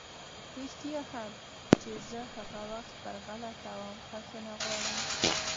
رښتيا هم چې زه هغه وخت پر غلطه وم، بښنه غواړم!